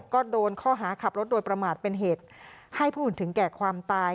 ก็โดนข้อหาขับรถโดยประมาทเป็นเหตุให้ผู้อื่นถึงแก่ความตาย